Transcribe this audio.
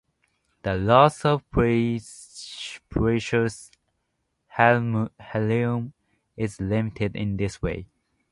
The loss of precious helium is limited in this way.